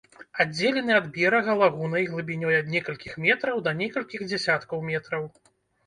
Аддзелены ад берага лагунай глыбінёй ад некалькіх метраў да некалькіх дзясяткаў метраў.